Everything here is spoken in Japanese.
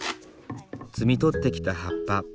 摘み取ってきた葉っぱ。